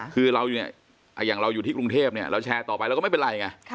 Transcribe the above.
คืออย่างเราอยู่ที่กรุงเทพเราแชร์ต่อไปแล้วก็ไม่เป็นไร